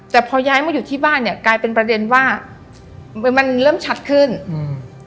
แต่พอย้ายมาอยู่ที่บ้านเนี้ยกลายเป็นประเด็นว่ามันมันเริ่มชัดขึ้นอืม